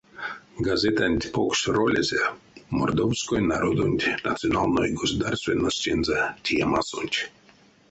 Газетанть покш ролезэ мордовской народонть национальной государственностензэ теемасонть.